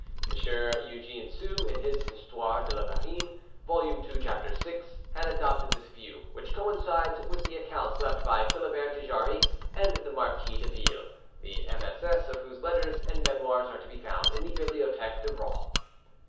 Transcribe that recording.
M. Eugene Sue, in his 'Histoire de la Marine' (vol. ii, chap. 6), had adopted this view, which coincides with the accounts left by Philibert de Jarry and the Marquis de Ville, the MSS. of whose letters and 'Memoires' are to be found in the Bibliotheque du Roi.